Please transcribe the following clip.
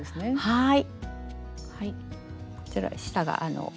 はい。